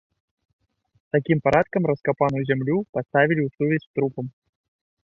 Такім парадкам раскапаную зямлю паставілі ў сувязь з трупам.